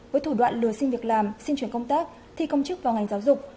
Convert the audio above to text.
với thủ đoạn lừa xin việc làm xin chuyển công tác thi công chức vào ngành giáo dục